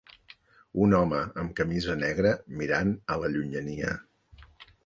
Un home amb camisa negra mirant a la llunyania.